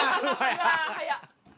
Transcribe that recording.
うわ早っ。